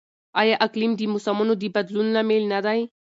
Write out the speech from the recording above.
آیا اقلیم د موسمونو د بدلون لامل نه دی؟